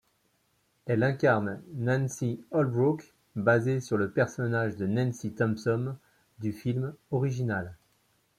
Elle incarne Nancy Holbrook, basée sur le personnage de Nancy Thompson du film original.